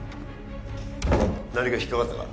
何か引っ掛かったか？